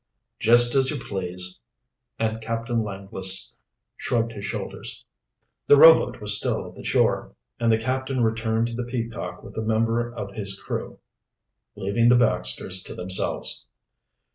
"Just as you please," and Captain Langless shrugged his shoulders. The rowboat was still at the shore, and the captain returned to the Peacock with the member of his crew, leaving the Baxters to themselves.